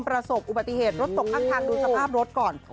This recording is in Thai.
ประสบอุบัติเหตุรถตกข้างทางดูสภาพรถก่อน